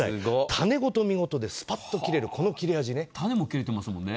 種ごと見事にスパッと切れる種も切れていますもんね。